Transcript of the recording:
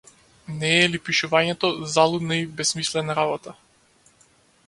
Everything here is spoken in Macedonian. Не е ли пишувањето залудна и бесмислена работа?